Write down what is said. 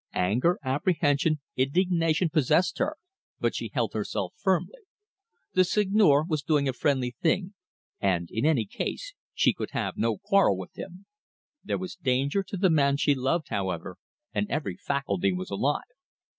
Anger, apprehension, indignation, possessed her, but she held herself firmly. The Seigneur was doing a friendly thing; and, in any case, she could have no quarrel with him. There was danger to the man she loved, however, and every faculty was alive.